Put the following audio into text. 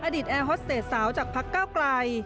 อดีตแอร์ฮอสเตจสาวจากพักเก้าไกล